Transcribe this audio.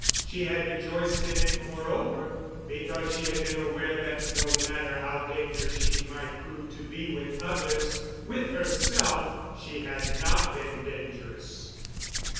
She had rejoiced in it, moreover, because she had been aware that, no matter how dangerous she might prove to be with others, with herself she had not been dangerous.